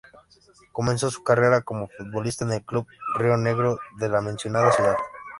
Comenzó su carrera como futbolista en el Club Río Negro de la mencionada ciudad.